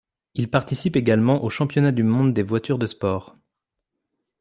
Il participe également au championnat du monde des voitures de sport.